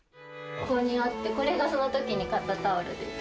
ここにあって、これがそのときに買ったタオルです。